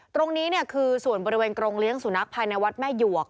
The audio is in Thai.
ตรงนี้คือส่วนบริเวณกรงเลี้ยงสุนัขภายในวัดแม่หยวก